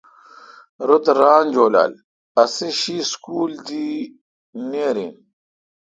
روتہ ران جولال اؘ اسی شی سکول دی نیر این۔